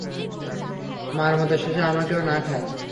মার মতো শেষে আমাকেও না খায়!